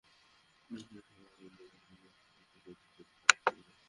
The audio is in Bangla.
ম্যাচ শেষে সংবাদ সম্মেলনে এসেই জানিয়ে দিয়েছেন কোচ হিসেবে থাকছেন না।